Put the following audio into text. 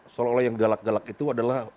seolah olah yang galak galak itu adalah